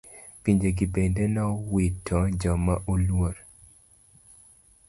Pinje gi bende nowito joma oluor.